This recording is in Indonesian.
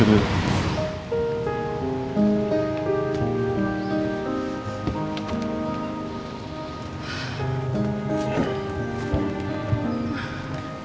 tadi pagi kan kamu sarapannya kurang